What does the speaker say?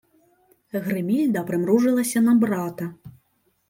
Гримільда примружилася на брата: